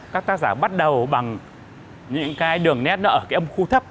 các tác giả bắt đầu bằng những cái đường nét ở cái âm khu thấp